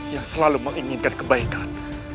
yang selalu menginginkan kebaikan